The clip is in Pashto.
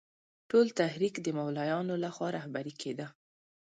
ټول تحریک د مولویانو له خوا رهبري کېده.